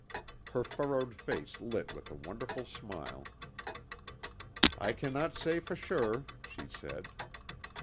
Her furrowed face lit with a wonderful smile. "I cannot say for sure," she said.